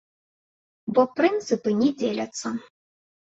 Бо прынцыпы не дзеляцца.